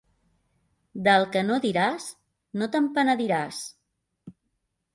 Del que no diràs, no te'n penediràs.